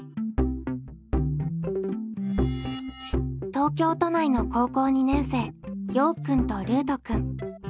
東京都内の高校２年生ようくんとルートくん。